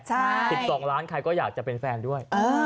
๑๒ล้านใครก็อยากจะเป็นแฟนด้วย